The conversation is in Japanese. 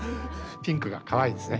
ピンクがかわいいですね。